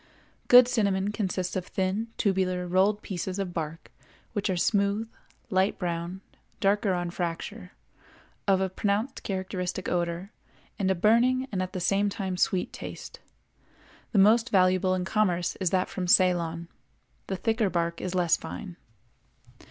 Good cinnamon consists of thin, tubular, rolled pieces of bark which are smooth, light brown (darker on fracture), of a pronounced characteristic odor, and a burning and at the same time sweet taste. The most valuable in commerce is that from Ceylon; the thicker bark is less fine.